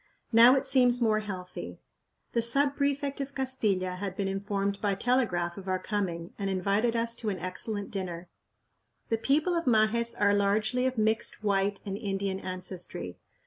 Now it seems more healthy. The sub prefect of Castilla had been informed by telegraph of our coming, and invited us to an excellent dinner. The people of Majes are largely of mixed white and Indian ancestry.